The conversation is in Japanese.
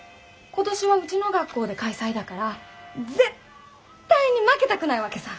今年はうちの学校で開催だから絶対に負けたくないわけさ。